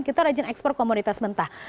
kita rajin ekspor komoditas mentah